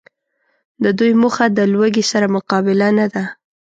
د دوی موخه د لوږي سره مقابله نده